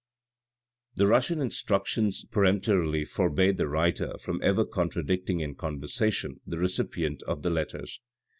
The Russian instructions peremptorily forbade the writer from ever contradicting in conversation the recipient of the letters.